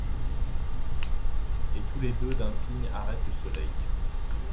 Et tous les deux d’un signe arrêtent le soleil ;